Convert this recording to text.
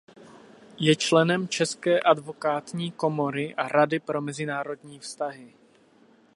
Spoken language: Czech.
Je členem České advokátní komory a Rady pro mezinárodní vztahy.